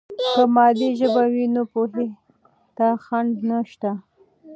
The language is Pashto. که مادي ژبه وي، نو پوهې ته خنډ نشته.